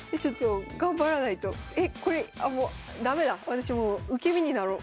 私もう受け身になろう。